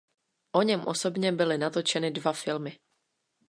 O něm osobně byly natočeny dva filmy.